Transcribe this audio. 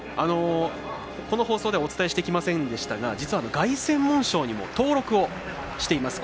この放送ではお伝えしてきませんでしたが実は、凱旋門賞にも登録をしています。